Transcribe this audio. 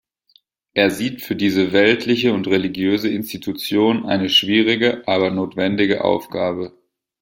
Er sieht für diese weltliche und religiöse Institution eine schwierige, aber notwendige Aufgabe.